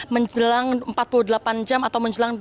menjelang empat puluh delapan jam atau menjelang dua hari